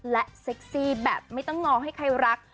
และเซ็กซี่แบบไม่ต้องงอให้ใครรัก